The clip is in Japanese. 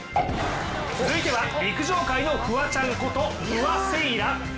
続いては、陸上界のフワちゃんこと不破聖衣来。